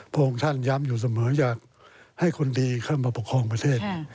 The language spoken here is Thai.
พระองค์ท่านย้ำอยู่เสมออยากให้คนดีเข้ามาปกครองประเทศ